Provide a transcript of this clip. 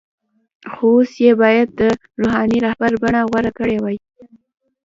خو اوس یې باید د “روحاني رهبر” بڼه غوره کړې وای.